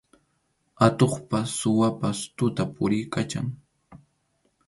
Atuqpas suwapas tuta puriykachan.